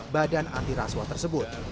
badan antiraswa tersebut